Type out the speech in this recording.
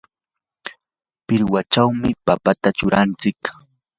pirwachawmi papata churanchik.